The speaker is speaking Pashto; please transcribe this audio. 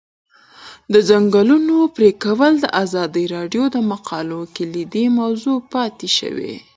د ځنګلونو پرېکول د ازادي راډیو د مقالو کلیدي موضوع پاتې شوی.